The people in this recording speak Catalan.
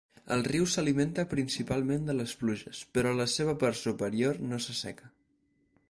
El riu s'alimenta principalment de les pluges però a la seva part superior no s'asseca.